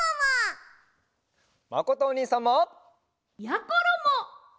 まことおにいさんも！やころも！